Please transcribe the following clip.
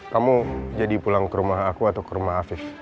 kamu jadi pulang ke rumah aku atau ke rumah afif